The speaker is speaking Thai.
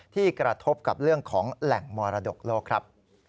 ที่กระทบกับเรื่องของแหล่งมรดกโลกครับ